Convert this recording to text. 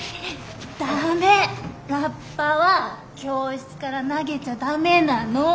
駄目ラッパは教室から投げちゃ駄目なの。